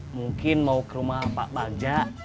mungkin mau ke rumah pak palja